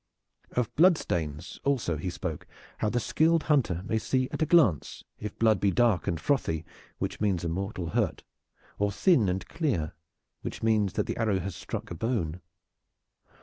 Of blood stains also he spoke how the skilled hunter may see at a glance if blood be dark and frothy, which means a mortal hurt, or thin and clear, which means that the arrow has struck a bone.